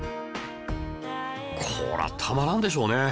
こりゃたまらんでしょうね。